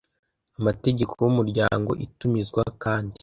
Amategeko y Umuryango Itumizwa kandi